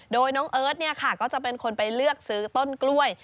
โดยน้องเอิร์ทก็จะเป็นคนไปเลือกซื้อต้นกล้วย